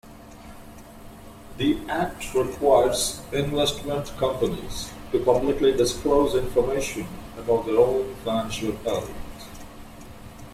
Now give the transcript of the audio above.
The act requires investment companies to publicly disclose information about their own financial health.